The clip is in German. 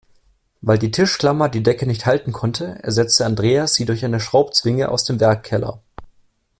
Weil die Tischklammer die Decke nicht halten konnte, ersetzte Andreas sie durch eine Schraubzwinge aus dem Werkkeller.